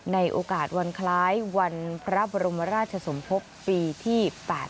ในโอกาสวันคล้ายวันพระบรมราชสมภพปีที่๘๘